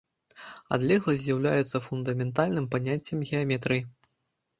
Адлегласць з'яўляецца фундаментальным паняццем геаметрыі.